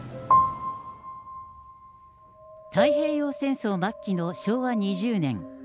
太平洋戦争末期の昭和２０年。